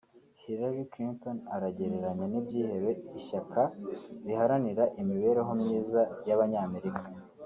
“ Hillary Clinton aragereranya n’ibyihebe ishyaka riharanira imibereho myiza y’abanyamerika